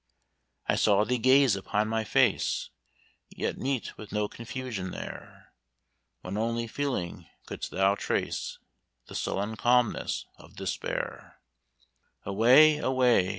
"I saw thee gaze upon my face, Yet meet with no confusion there: One only feeling could'st thou trace; The sullen calmness of despair. "Away! away!